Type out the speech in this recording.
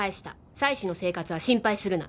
妻子の生活は心配するな！」